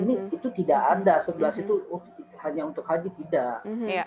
ini itu tidak ada sebelas itu hanya untuk haji tidak